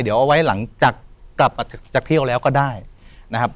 เดี๋ยวเอาไว้หลังจากกลับมาจากเที่ยวแล้วก็ได้นะครับ